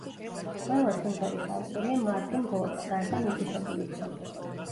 ყველა სიმღერის ავტორია მარტინ გორი, გარდა მითითებულისა.